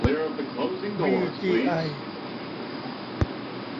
วีจีไอ